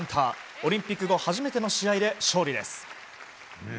オリンピック後初めての試合で勝利です。